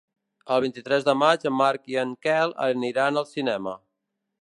El vint-i-tres de maig en Marc i en Quel aniran al cinema.